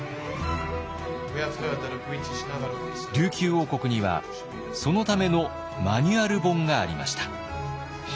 琉球王国にはそのためのマニュアル本がありました。